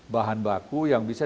bahan baku yang bisa